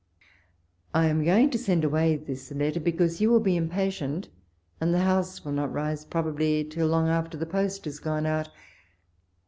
I am going to send away this letter, because you will be impatient, and the House will not rise probably till long after the post is gone out.